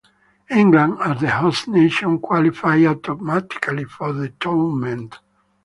England, as the host nation, qualified automatically for the tournament.